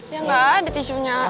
ya gak ada tisu nya